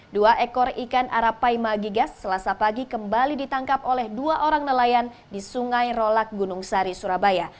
dua ekor ikan arapaima gigas selasa pagi kembali ditangkap oleh dua orang nelayan di sungai rolak gunung sari surabaya